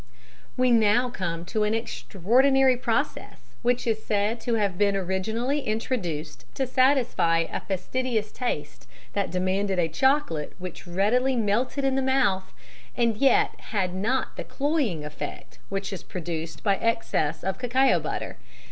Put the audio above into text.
_ We now come to an extraordinary process which is said to have been originally introduced to satisfy a fastidious taste that demanded a chocolate which readily melted in the mouth and yet had not the cloying effect which is produced by excess of cacao butter.